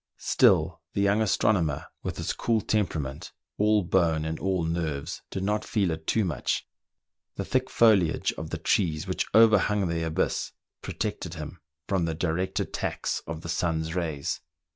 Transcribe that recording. Still, the young astronomer, with his cool temperament, all bone and all nerves, did not feel it too much : the thick foliage of the trees which overhung the abyss protected him from the direct attacks of the sun's rays.